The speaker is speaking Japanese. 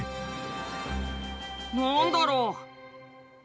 何だろう？